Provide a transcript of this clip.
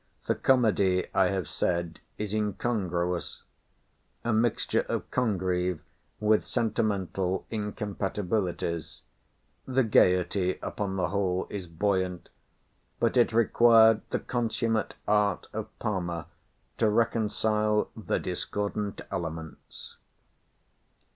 The comedy, I have said, is incongruous; a mixture of Congreve with sentimental incompatibilities: the gaiety upon the whole is buoyant; but it required the consummate art of Palmer to reconcile the discordant elements.